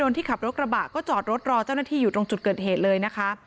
ที่ขับรถกระบะก็จอดรถรอเจ้าหน้าที่อยู่ตรงจุดเกิดเหตุเลยนะคะ